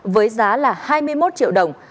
với giá là hai mươi một triệu đồng